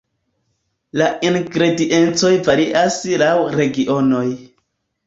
La ingrediencoj varias laŭ regionoj.